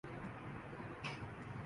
یہ معاملہ حکومتوں سے متعلق ہے۔